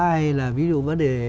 hay là ví dụ vấn đề